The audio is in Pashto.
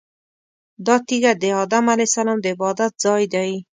دا تیږه د ادم علیه السلام د عبادت ځای دی.